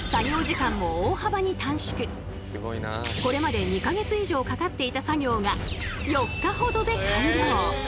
これまで２か月以上かかっていた作業が４日ほどで完了。